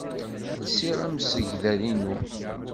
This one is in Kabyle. Lsiɣ amsegdal-inu.